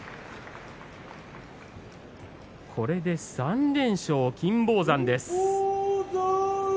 これで３連勝、金峰山。